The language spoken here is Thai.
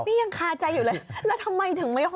นี่ยังคาใจอยู่เลยแล้วทำไมถึงไม่ห้อ